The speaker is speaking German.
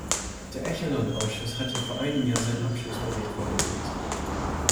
Der Echelon-Ausschuss hat ja vor einem Jahr seinen Abschlussbericht vorgelegt.